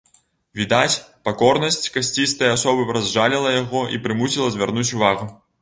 Відаць, пакорнасць касцістай асобы разжаліла яго і прымусіла звярнуць увагу.